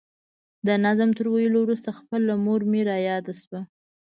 د نظم تر ویلو وروسته خپله مور مې را یاده شوه.